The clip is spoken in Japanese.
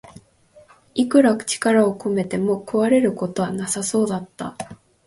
いくら力を込めても壊れることはなさそうだった